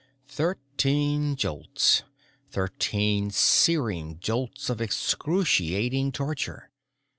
Thirteen jolts. Thirteen searing jolts of excruciating torture.